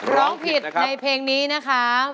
ร้องผิดในเพลงนี้นะคะ